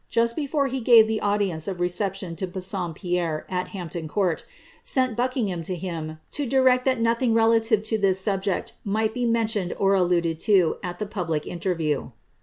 just before he gave the audience of reception to Bassompierre, at Hampton Court, sent Buckingham to him, to direct that nothing relative to this subject might be mentioned or alluded to at the public interview.